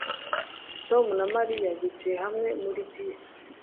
Tom na Mariya bicaye hamwe muri bisi